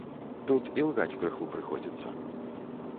Тут ілгаць крыху прыходзіцца.